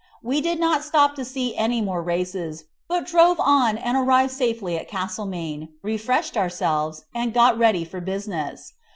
We did not stop to see any more races, but drove on and arrived safely at Castlemaine, refreshed ourselves, and got ready for business.